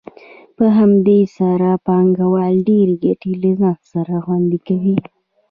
په همدې سره پانګوال ډېرې ګټې له ځان سره خوندي کوي